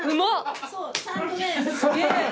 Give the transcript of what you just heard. すげえ。